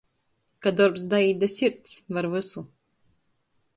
Ka dorbs daīt da sirds, var vysu.